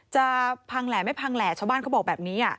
จะพังแหล่ไม่พังแหล่ชาวบ้านเขาบอกแบบนี้